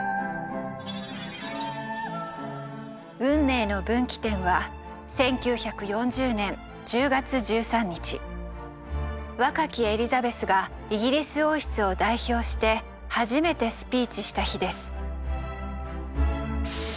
運命の分岐点は若きエリザベスがイギリス王室を代表して初めてスピーチした日です。